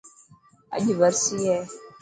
اڄ ورسي هي.